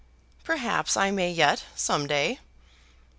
"Perhaps I may yet; some day."